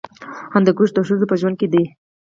هندوکش د ښځو په ژوند کې دي.